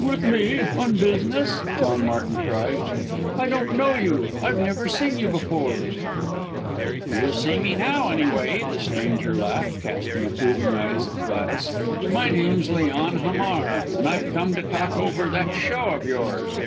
"With me on business!" John Martin cried. "I don't know you! I've never seen you before!" "You see me now anyway!" the stranger laughed, casting approving eyes at Gladys. "My name's Leon Hamar, and I've come to talk over that show of yours."